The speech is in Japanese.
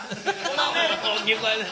大きい声で。